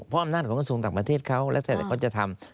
เพราะอำนาจของกระทรวงต่างประเทศเขาและเขาจะทำ